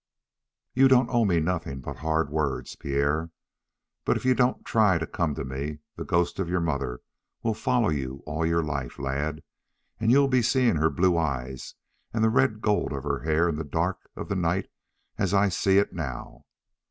"You don't owe me nothing but hard words, Pierre; but if you don't try to come to me, the ghost of your mother will follow you all your life, lad, and you'll be seeing her blue eyes and the red gold of her hair in the dark of the night as I see it now.